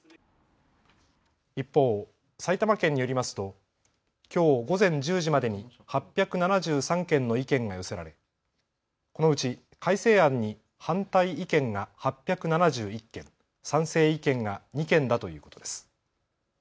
一方、埼玉県によりますときょう午前１０時までに８７３件の意見が寄せられこのうち改正案に反対意見が８７１件、賛成意見が２件だということです。